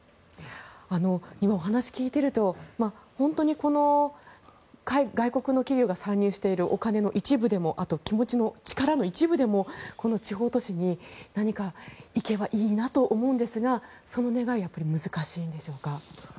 今、お話を聞いていると本当にこの外国の企業が参入しているお金の一部でも気持ちの力の一部でも地方都市に何か行けばいいなと思うんですがその願いはやはり難しいんでしょうか？